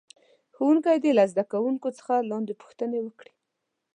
ښوونکی دې له زده کوونکو څخه لاندې پوښتنې وکړي.